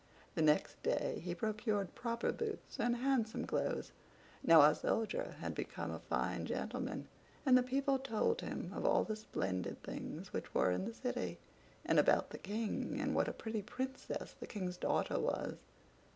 The next day he procured proper boots and handsome clothes. Now our Soldier had become a fine gentleman; and the people told him of all the splendid things which were in their city, and about the King, and what a pretty Princess the King's daughter was.